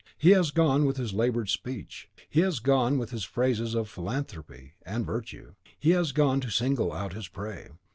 He has gone with his laboured speech; he has gone with his phrases of philanthropy and virtue; he has gone to single out his prey.